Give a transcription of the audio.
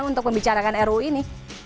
untuk membicarakan ruu ini